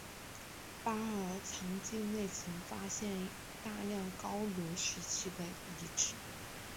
巴尔藏境内曾发现大量高卢时期的遗址。